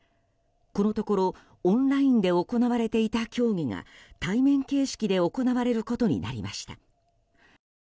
このところオンラインで行われていた協議が対面形式で行われることになりました。